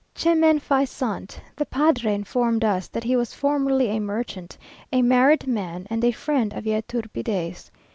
Chemin faisant, the padre informed us that he was formerly a merchant, a married man, and a friend of Yturbide's.